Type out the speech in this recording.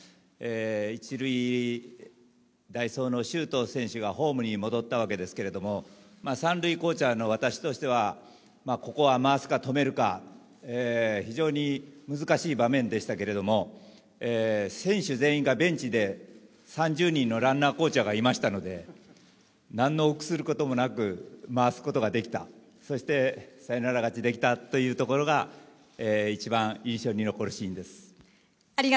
一塁代走の周東選手がホームに戻ったわけですけれども、三塁コーチの私としては、ここは回すか止めるか非常に難しい場面でしたけれども、選手全員がベンチで３０人のランナーコーチャーがいましたので、何の臆することもなく回すことができたそしてサヨナラ勝ちできたというところが一番印象に残るシーンです。